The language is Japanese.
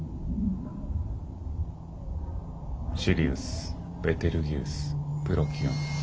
シリウスベテルギウスプロキオン。